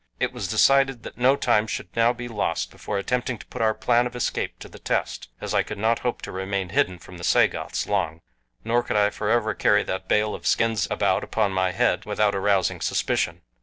It was decided that no time should now be lost before attempting to put our plan of escape to the test, as I could not hope to remain hidden from the Sagoths long, nor could I forever carry that bale of skins about upon my head without arousing suspicion.